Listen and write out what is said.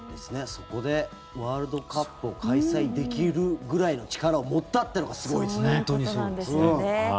そこでワールドカップを開催できるぐらいの力を持ったというのがすごいですね。